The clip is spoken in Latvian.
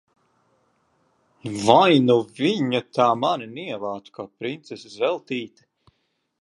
Vai nu viņa tā mani nievātu, kā princese Zeltīte!